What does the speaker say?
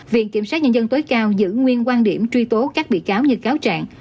viện kiểm sát nhân dân tối cao giữ nguyên quan điểm truy tố các bị cáo như cáo trạng